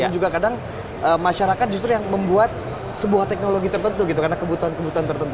juga kadang masyarakat justru yang membuat sebuah teknologi tertentu gitu karena kebutuhan kebutuhan tertentu